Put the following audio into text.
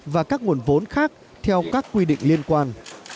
và các nguồn vốn khác theo các quy định liên quan